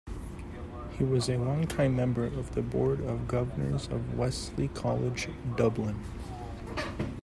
He was a longtime member of the board of governors of Wesley College, Dublin.